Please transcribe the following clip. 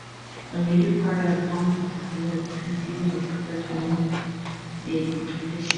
The later part of Thomson's career coincided with the first one-day competition.